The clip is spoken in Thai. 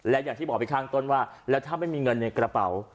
และอย่างที่บอกไปข้างต้นว่าแล้วถ้าไม่มีเงินในกระเป๋า